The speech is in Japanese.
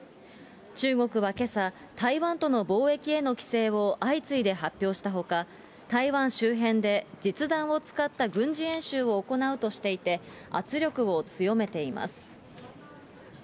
中国はけさ、台湾との貿易への規制を相次いで発表したほか、台湾周辺で実弾を使った軍事演習を行うとしていて、圧力を強めています。